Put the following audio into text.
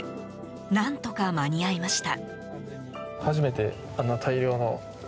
何とか間に合いました。